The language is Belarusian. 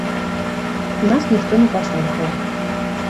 Нас ніхто не паслухаў.